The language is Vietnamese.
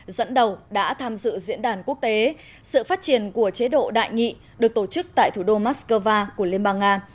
dẫn đầu đã tham dự diễn đàn quốc tế sự phát triển của chế độ đại nghị được tổ chức tại thủ đô moscow của liên bang nga